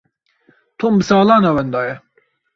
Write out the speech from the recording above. Tom bi salan e wenda ye.